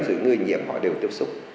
rồi người nhiễm họ đều tiếp xúc